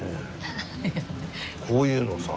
こういうのさ。